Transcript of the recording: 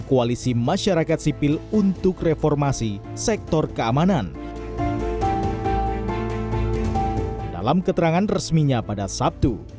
koalisi masyarakat sipil untuk reformasi sektor keamanan dalam keterangan resminya pada sabtu